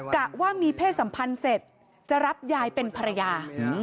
ะว่ามีเพศสัมพันธ์เสร็จจะรับยายเป็นภรรยา